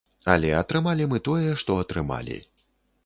Але атрымалі мы тое, што атрымалі.